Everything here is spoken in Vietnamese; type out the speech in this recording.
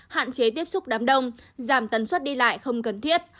hạn chế tiếp xúc đám đông giảm tần suất đi lại không cần thiết